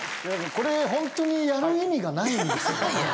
これホントにやる意味がないんですよね。